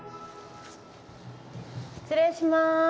失礼します。